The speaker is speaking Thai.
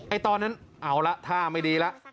ตอนนั้นเอาละท่าไม่ดีแล้ว